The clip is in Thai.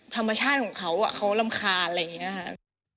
ธรรมชาติของเขาเขารำคาญอะไรอย่างนี้ค่ะ